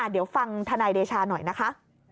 เดี๋ยวฟังทนายเดชาหน่อยนะคะ